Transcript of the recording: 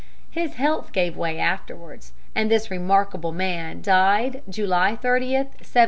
His health gave way afterwards, and this remarkable man died July 30, 1718.